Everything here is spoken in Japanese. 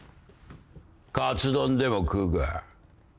カツ丼でも食うか？